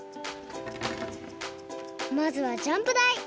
まずはジャンプだい！